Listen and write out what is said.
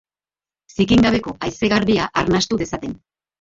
Zikin gabeko haize garbia arnastu dezaten.